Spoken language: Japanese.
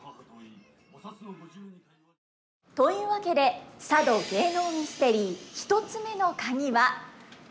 というわけで佐渡芸能ミステリー１つ目のカギは流刑地です。